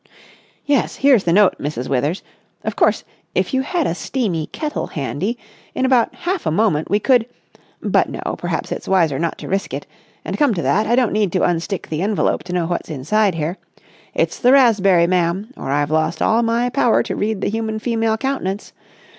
"Yes, here's the note, Mrs. Withers. Of course, if you had a steamy kettle handy, in about half a moment we could ... but no, perhaps it's wiser not to risk it. And, come to that, I don't need to unstick the envelope to know what's inside here. It's the raspberry, ma'am, or I've lost all my power to read the human female countenance.